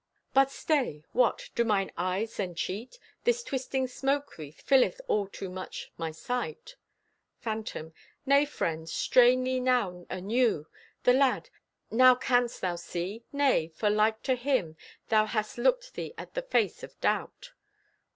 But stay! What! Do mine eyes then cheat? This twisting smoke wreath Filleth all too much my sight! Phantom: Nay, friend, strain thee now anew. The lad! Now canst thou see? Nay, for like to him Thou hast looked thee at the face of Doubt.